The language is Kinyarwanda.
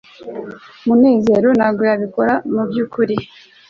munezero ntabwo yabikora mubyukuri